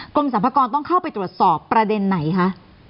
กรมสรรพากรต้องเข้าไปตรวจสอบประเด็นไหนคะ